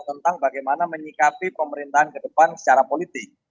tentang bagaimana menyikapi pemerintahan ke depan secara politik